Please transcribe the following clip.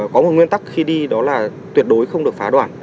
có một nguyên tắc khi đi đó là tuyệt đối không được phá đoàn